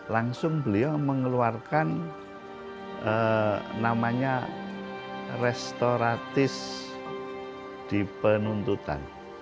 langsung beliau mengeluarkan namanya restoratif di penuntutan